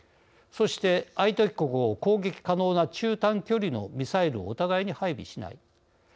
そして相手国を攻撃可能な中短距離のミサイルをお互いに配備しない。